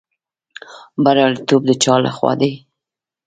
بریالیتوب د چا لخوا دی؟